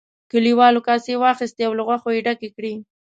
کليوالو کاسې واخیستې او له غوښو یې ډکې کړې.